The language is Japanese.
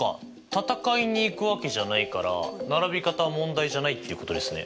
戦いに行くわけじゃないから並び方は問題じゃないってことですね？